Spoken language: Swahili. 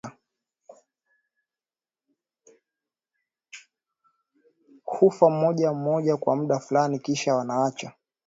hufa mmoja mmoja kwa muda fulani kisha wanaacha